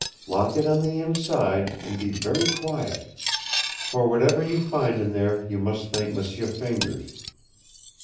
Lock it on the inside, and be very quiet. For whatever you find in there you must thank M'sieu Fingers."